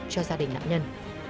cho gia đình nạn nhân